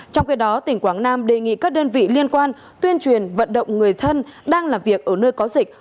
trong khi đó tỉnh quảng nam đề nghị các đơn vị liên quan tuyên truyền vận động người thân đang làm việc ở nơi có dịch